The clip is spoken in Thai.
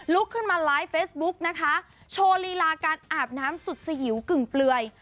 ขึ้นมาไลฟ์เฟซบุ๊กนะคะโชว์ลีลาการอาบน้ำสุดสยิวกึ่งเปลือย